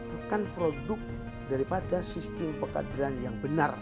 bukan produk daripada sistem pengadilan yang benar